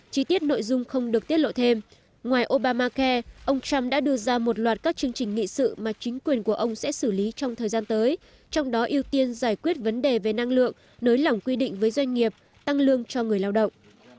chi tiết nội dung không được tiết lộ thêm ngoài obamacare ông trump đã đưa ra một loạt các chương trình nghị sự mà chính quyền của ông sẽ xử lý trong thời gian tới trong đó ưu tiên giải quyết vấn đề về năng lượng nới lỏng quy định với doanh nghiệp tăng lương cho người lao động